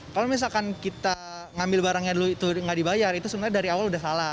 kalau misalkan kita ngambil barangnya dulu itu nggak dibayar itu sebenarnya dari awal udah salah